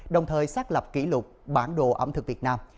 đồng thời xác lập kỷ lục bản đồ ẩm thực việt nam